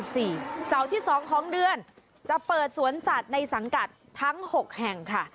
เสาร์ที่๒ของเดือนจะเปิดสวนสัตว์ในสังกัดทั้ง๖แห่งค่ะ